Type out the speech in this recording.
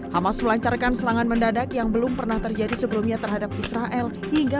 hamas melancarkan serangan mendadak yang belum pernah terjadi sebelumnya terhadap israel hingga